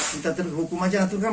kita hukum saja aturkan